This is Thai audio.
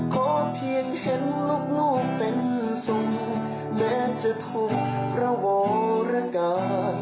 ขอเพียงเห็นลูกเป็นทรงแม้จะถูกพระวรกา